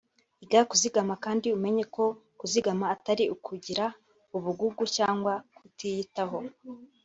Iga kuzigama kandi umenye ko kuzigama atari ukugira ubugugu cyangwa kutiyitaho